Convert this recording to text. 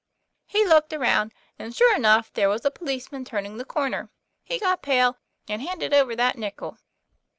He looked around, and sure enough there was a policeman turning the corner. He got pale, and handed over that nickel."